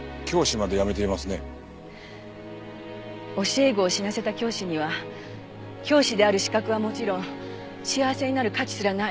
教え子を死なせた教師には教師である資格はもちろん幸せになる価値すらない。